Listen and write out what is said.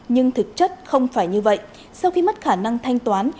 nhưng thực chất không phải như vậy sau khi mất khả năng thanh toán